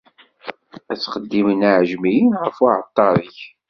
Ad ttqeddimen iɛejmiyen ɣef uɛalṭar-ik.